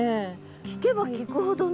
聞けば聞くほどね。